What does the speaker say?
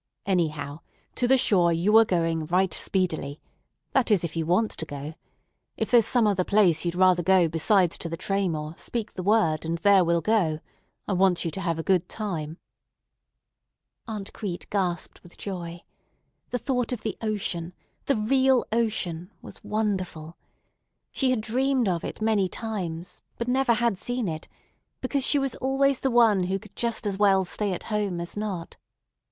Anyhow, to the shore you are going right speedily; that is, if you want to go. If there's some other place you'd rather go besides to the Traymore, speak the word, and there we'll go. I want you to have a good time." Aunt Crete gasped with joy. The thought of the ocean, the real ocean, was wonderful. She had dreamed of it many times, but never had seen it, because she was always the one who could just as well stay at home as not.